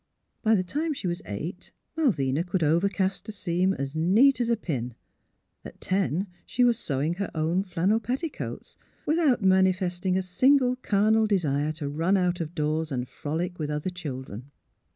By the time she was eight Malvina could overcast a seam '' es neat es a pin;" at ten she was sewing her own flannel petticoats, without manifesting a single carnal desire to run out of doors and frolic with other children.